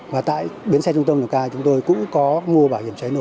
và tại bến xe trung tâm đồng cao chúng tôi cũng có mua bảo hiểm cháy nổ